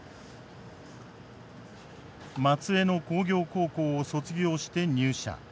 松江の工業高校を卒業して入社。